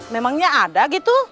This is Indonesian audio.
memangnya ada gitu